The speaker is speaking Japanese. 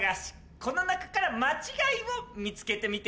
この中から間違いを見つけてみて！